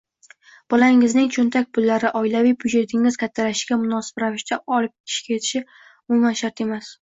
Bolangizning cho‘ntak pullari oilaviy byudjetingiz kattalashishiga mutanosib ravishda oshib ketishi umuman shart emas.